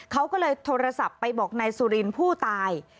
เขาก็เลยโทรศัพท์ไปบอกนายสุรินทร์ผู้ตาย